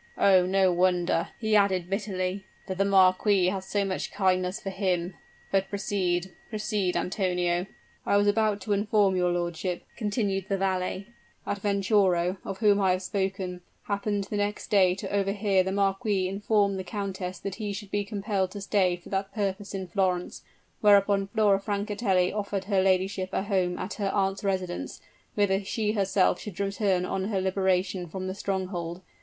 "Oh! no wonder," he added, bitterly, "that the marquis has so much kindness for him! But, proceed proceed, Antonio." "I was about to inform your lordship," continued the valet, "that Venturo, of whom I have spoken, happened the next day to overhear the marquis inform the countess that he should be compelled to stay for that purpose in Florence; whereupon Flora Francatelli offered her ladyship a home at her aunt's residence, whither she herself should return on her liberation from the stronghold.